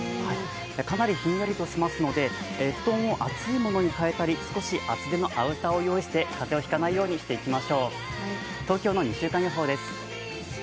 かなりひんやりとしますので、布団を厚いものにかえたり、少し厚手のアウターを用意して風邪をひかないようにしてください。